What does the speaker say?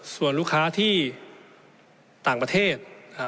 ส่วนลูกค้าที่ต่างประเทศ